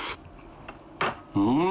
うん！